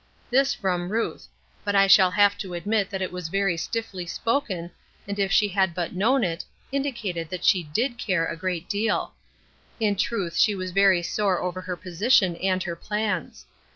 This from Ruth; but I shall have to admit that it was very stiffly spoken, and if she had but known it, indicated that she did care a great deal. In truth she was very sore over her position and her plans.